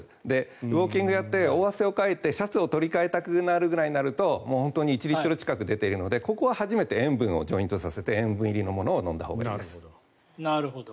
ウォーキングをやって、シャツを取り換えたくなるくらいだと本当に１リットルぐらい近く出るので塩分をジョイントさせて塩分入りのものを飲んだほうがいいです。